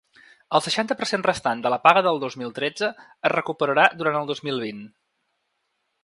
El seixanta per cent restant de la paga del dos mil tretze es recuperarà durant el dos mil vint.